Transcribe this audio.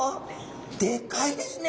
でかいですね！